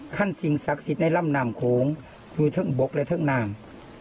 สิ่งศักดิ์สิทธิ์ในลำน้ำโขงคือทั้งบกและทั้งนาง